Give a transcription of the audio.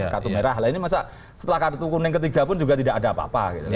kartu merah lah ini masa setelah kartu kuning ketiga pun juga tidak ada apa apa